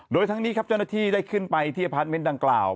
โดยทั้งนี้ครับเจ้าหน้าที่ได้ขึ้นไปที่อพาร์ทเมนต์ดังกล่าว